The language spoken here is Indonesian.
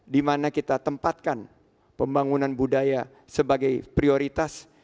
di mana kita tempatkan pembangunan budaya sebagai prioritas